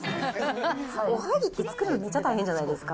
おはぎって作るのめっちゃ大変じゃないですか。